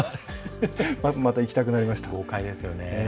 また行きたくなりました。